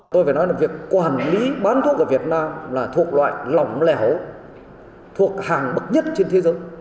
tôi phải nói là việc quản lý bán thuốc ở việt nam là thuộc loại lỏng lẻo thuộc hàng bậc nhất trên thế giới